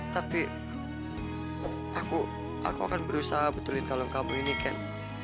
tapi aku akan berusaha betulin kalong kamu ini ken